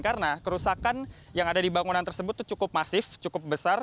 karena kerusakan yang ada di bangunan tersebut itu cukup masif cukup besar